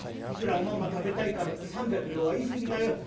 いくらおまんま食べたいからって３百両は言い過ぎだよ。